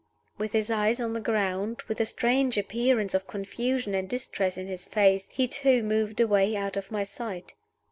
With his eyes on the ground, with a strange appearance of confusion and distress in his face, he too moved away out of my sight.